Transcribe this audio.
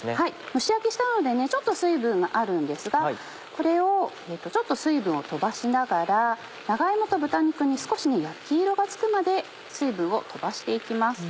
蒸し焼きしたのでちょっと水分があるんですがこれをちょっと水分を飛ばしながら長芋と豚肉に少し焼き色がつくまで水分を飛ばして行きます。